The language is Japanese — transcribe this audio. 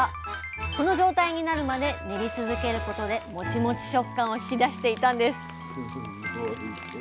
この状態になるまで練り続けることでモチモチ食感を引き出していたんです